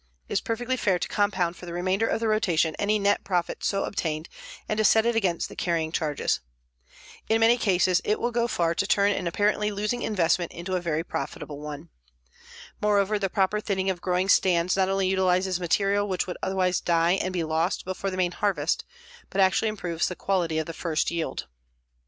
It is perfectly fair to compound for the remainder of the rotation any net profit so obtained and to set it against the carrying charges. In many cases it will go far to turn an apparently losing investment into a very profitable one. Moreover, the proper thinning of growing stands not only utilizes material which would otherwise die and be lost before the main harvest, but actually improves the quality of the first yield.